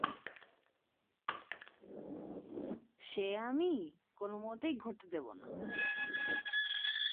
সে আমি কোনোমতেই ঘটতে দেব না।